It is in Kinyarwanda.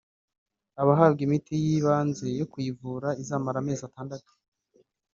anahabwa imiti y’ibanze yo kuyivura izamara amezi atandatu